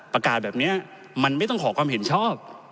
ประกาศแบบนี้มันไม่ต้องขอความเห็นชอบ